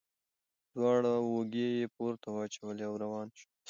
دواړه اوږې یې پورته واچولې او روان شو.